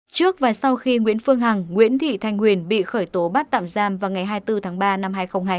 trước và sau khi nguyễn phương hằng nguyễn thị thanh huyền bị khởi tố bắt tạm giam vào ngày hai mươi bốn tháng ba năm hai nghìn hai mươi